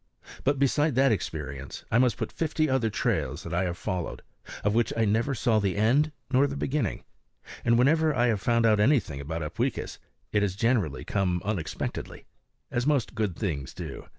But beside that experience I must put fifty other trails that I have followed, of which I never saw the end nor the beginning. And whenever I have found out anything about Upweekis it has generally come unexpectedly, as most good things do.